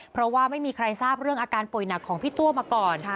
เพราะว่าไม่มีใครทราบเรื่องอาการป่วยหนักของพี่ตัวมาก่อน